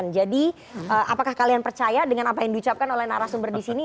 jadi apakah kalian percaya dengan apa yang dicapkan oleh narasumber di sini